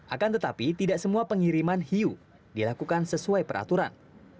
akan tetapi tidak semua pengiriman hiu dilakukan sesuai peraturan